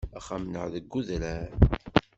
Axxam-nneɣ deg udrar.